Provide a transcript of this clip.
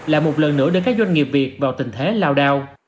là một lần nữa đưa các doanh nghiệp việt vào tình thế lao đao